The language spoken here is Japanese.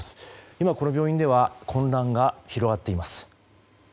今、この病院では混乱が広がっています。